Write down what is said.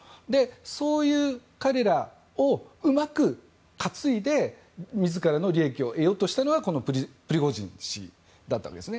そういう彼らをうまく担いで自らの利益を得ようとしたのがこのプリゴジン氏だったわけです。